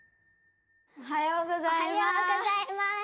おはようございます。